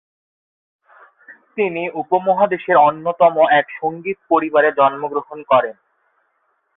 তিনি উপমহাদেশের অন্যতম এক সঙ্গীত পরিবারে জন্মগ্রহণ করেন।